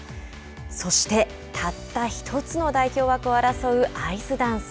そしてたった１つの代表枠を争うアイスダンス。